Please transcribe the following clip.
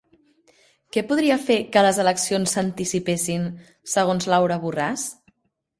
Què podria fer que les eleccions s'anticipessin segons Laura Borràs?